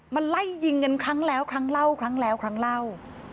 มันไล่ยิงกันครั้งแล้วครั้งเล่าครั้งแล้วครั้งเล่า